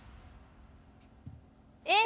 えっ？